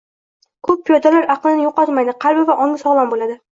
Ko'p piyodalar aqlini yo'qotmaydi, qalbi va ongi sog'lom bo'ladi